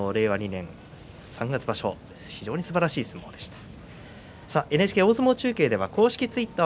２年三月場所、非常にすばらしい相撲でした。